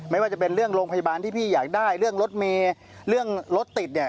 ไม่ว่าจะเป็นเรื่องโรงพยาบาลที่พี่อยากได้เรื่องรถเมย์เรื่องรถติดเนี่ย